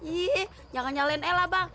iiih jangan nyalain ella bang